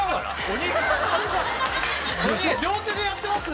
両手でやってます？